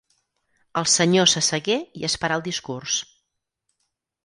El senyor s'assegué i esperà el discurs.